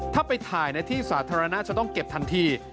ถ้าไปถ่ายในที่สาธารณะจะต้องเก็บทันที